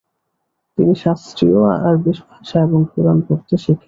তিনি শাস্ত্রীয় আরবি ভাষা এবং কোরআন পড়তে শিখেন।